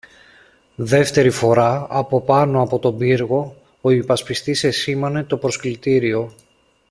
Δεύτερη φορά, από πάνω από τον πύργο, ο υπασπιστής εσήμανε το προσκλητήριο.